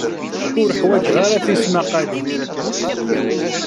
Ur ḥwajeɣ ara tismaqqalin.